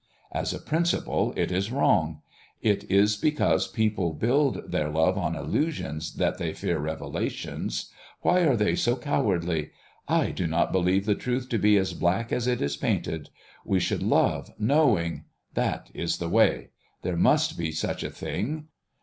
As a principle, it is wrong. It is because people build their love on illusions that they fear revelations. Why are they so cowardly? I do not believe the truth to be as black as it is painted. We should love, knowing, that is the way. There must be such a thing.